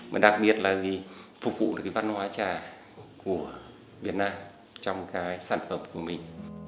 mà đặc biệt là gì phục vụ được cái văn hóa trà của việt nam trong cái sản phẩm của mình